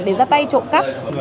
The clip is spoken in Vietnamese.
để ra tay trộm cắp